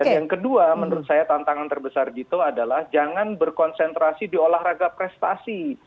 yang kedua menurut saya tantangan terbesar dito adalah jangan berkonsentrasi di olahraga prestasi